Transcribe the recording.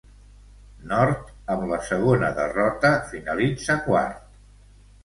Nord, amb la segona derrota, finalitza quart.